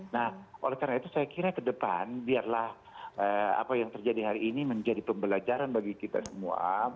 nah oleh karena itu saya kira ke depan biarlah apa yang terjadi hari ini menjadi pembelajaran bagi kita semua